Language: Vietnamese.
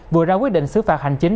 vừa ra quyết định xứ phạt hành chính